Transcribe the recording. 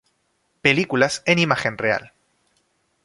Películas en imagen real